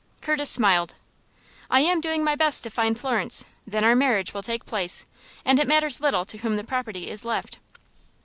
Curtis smiled. "I am doing my best to find Florence. Then our marriage will take place, and it matters little to whom the property is left."